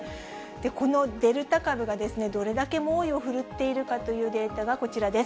このデルタ株がどれだけ猛威を振るっているかというデータがこちらです。